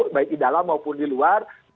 baik di dalam maupun di luar